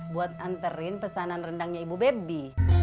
buat nganterin pesanan rendangnya ibu bebi